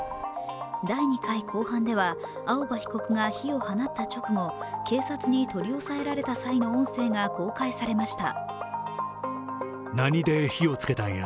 第２回公判では、青葉被告が火を放った直後、警察に取り押さえられた際の音声が公開されました。